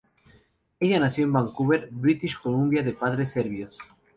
Ella nació en Vancouver, British Columbia de padres serbios.